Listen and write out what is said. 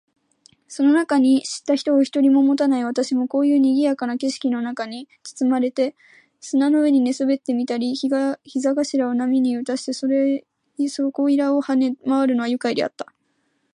その中に知った人を一人ももたない私も、こういう賑（にぎ）やかな景色の中に裹（つつ）まれて、砂の上に寝そべってみたり、膝頭（ひざがしら）を波に打たしてそこいらを跳（は）ね廻（まわ）るのは愉快であった。